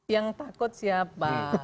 yang takut siapa